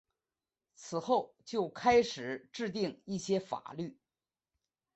此后就开始制定一些法律。